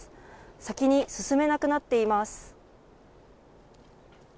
先に進めなくなっています。